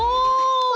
お！